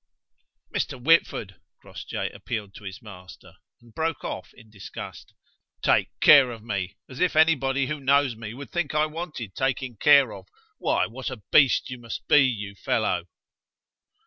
"Mr. Whitford!" Crossjay appealed to his master, and broke of in disgust. "Take care of me! As if anybody who knows me would think I wanted taking care of! Why, what a beast you must be, you fellow!"